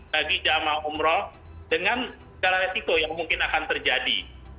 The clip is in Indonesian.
bagi jemaah umroh dengan segala resiko yang mungkin akan terjadi